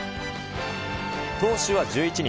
投手は１１人。